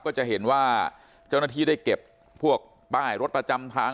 ก็จะเห็นว่าเจ้าหน้าที่ได้เก็บพวกป้ายรถประจำทาง